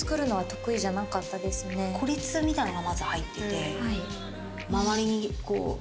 みたいのがまず入ってて。